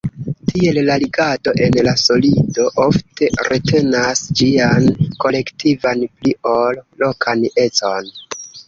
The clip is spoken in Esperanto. Tiel, la ligado en la solido ofte retenas ĝian kolektivan pli ol lokan econ.